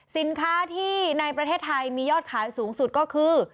สินค้าที่ในประเทศไทยมียอดขายสูงสุดก็คือ